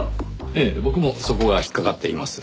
ええ僕もそこが引っかかっています。